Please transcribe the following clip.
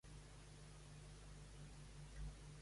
Ara hom resta a l’espera que l’audiència fixe la data del judici.